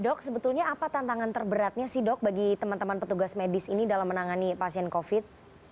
dok sebetulnya apa tantangan terberatnya sih dok bagi teman teman petugas medis ini dalam menangani pasien covid